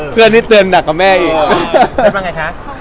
เพื่อนที่เตือนหนักกว่าแม่อีก